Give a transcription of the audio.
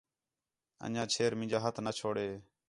انڄیاں چھیر مینجا ہتھ نہ چھوڑے